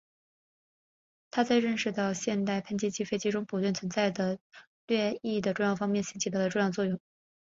他在认识到现代喷气飞机中普遍存在的后掠翼的重要性方面起到重要作用。